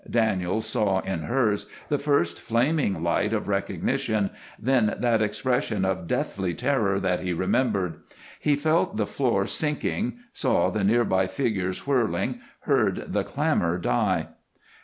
Daniels saw in hers the first flaming light of recognition, then that expression of deathly terror that he remembered; he felt the floor sinking, saw the near by figures whirling, heard the clamor die.